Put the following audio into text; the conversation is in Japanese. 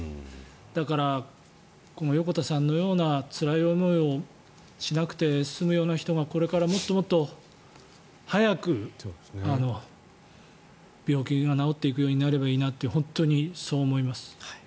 だから、横田さんのようなつらい思いをしなくて済むような人がこれからもっともっと早く病気が治っていけばいいなとそう思います。